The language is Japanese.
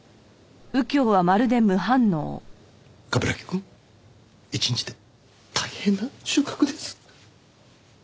「冠城くん一日で大変な収穫です！」。